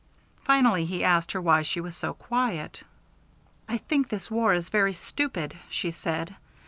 Finally he asked why she was so quiet. "I think this war is very stupid," she said.